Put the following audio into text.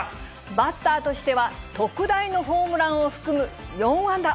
バッターとしては特大のホームランを含む４安打。